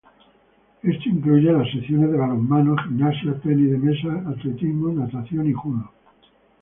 Esto incluye las Secciones de Balonmano, Gimnasia, tenis de mesa, Atletismo, Natación y Judo.